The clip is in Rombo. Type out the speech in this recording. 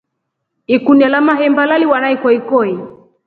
Ikunia la mahemba laliwa na ikokoi.